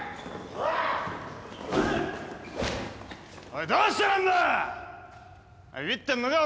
おいどうした難破！